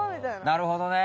なるほどね。